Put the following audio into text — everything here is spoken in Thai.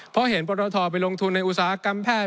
เพราะเห็นปรทไปลงทุนในอุตสาหกรรมแพทย